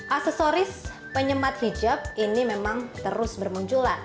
aksesoris penyemat hijab ini memang terus bermunculan